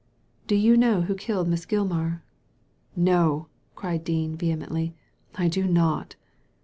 "Do you know who killed Miss Gilmar?" " No I " cried Dean, vehemently, " I do not."